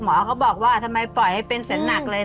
เขาบอกว่าทำไมปล่อยให้เป็นแสนหนักเลย